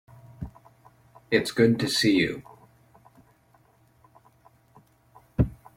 It's good to see you.